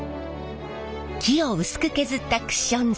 木を薄く削ったクッション材。